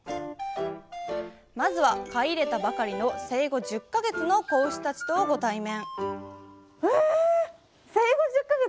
まずは買い入れたばかりの生後１０か月の子牛たちとご対面！